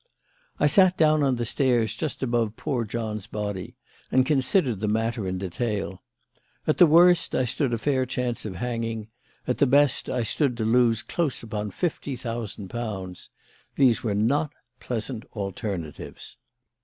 "I sat down on the stairs just above poor John's body and considered the matter in detail. At the worst, I stood a fair chance of hanging; at the best, I stood to lose close upon fifty thousand pounds. These were not pleasant alternatives.